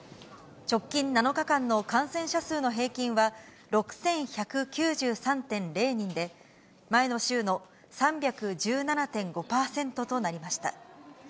直近７日間の感染者数の平均は、６１９３．０人で、前の週の３１７．５％となりました。